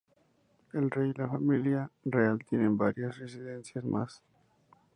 El rey y la familia real tienen varias residencias más.